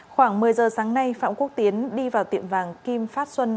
khoảng một mươi giờ sáng nay phạm quốc tiến đi vào tiệm vàng kim phát xuân